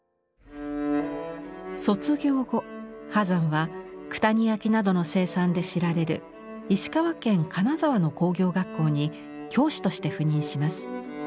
卒業後波山は九谷焼などの生産で知られる石川県金沢の工業学校に教師として赴任します。